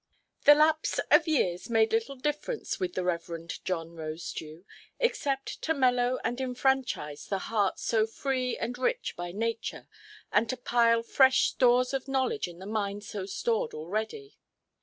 The lapse of years made little difference with the Reverend John Rosedew, except to mellow and enfranchise the heart so free and rich by nature, and to pile fresh stores of knowledge in the mind so stored already.